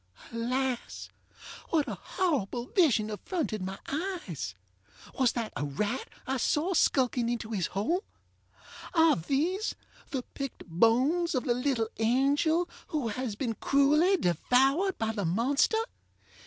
Alas! what a horrible vision affronted my eyes? Was that a rat I saw skulking into his hole? Are these the picked bones of the little angel who has been cruelly devoured by the monster?